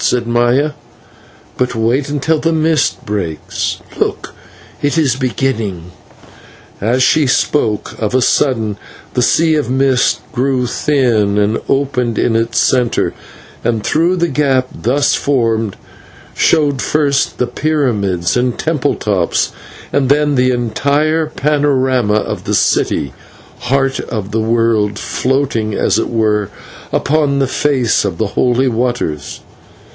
said Maya. "But wait until the mist breaks. Look, it is beginning!" As she spoke, of a sudden the sea of mist grew thin and opened in its centre, and through the gap thus formed showed first the pyramids and temple tops, and then the entire panorama of the city Heart of the World, floating, as it were, upon the face of the Holy Waters.